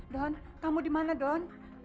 don kamu dimana don